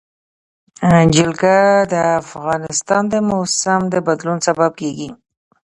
جلګه د افغانستان د موسم د بدلون سبب کېږي.